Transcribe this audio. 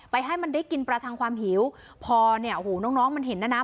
ให้มันได้กินประชังความหิวพอเนี่ยโอ้โหน้องน้องมันเห็นนะนะ